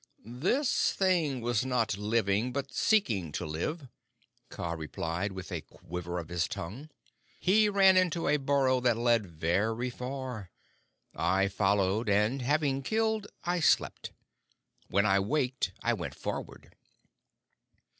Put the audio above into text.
"This thing was not living, but seeking to live," Kaa replied, with a quiver of his tongue. "He ran into a burrow that led very far. I followed, and having killed, I slept. When I waked I went forward."